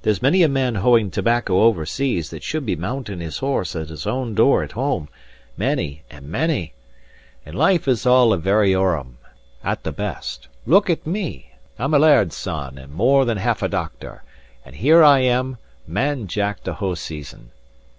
There's many a man hoeing tobacco over seas that should be mounting his horse at his own door at home; many and many! And life is all a variorum, at the best. Look at me: I'm a laird's son and more than half a doctor, and here I am, man Jack to Hoseason!"